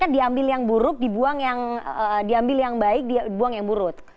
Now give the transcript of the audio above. kan diambil yang buruk dibuang yang baik dibuang yang buruk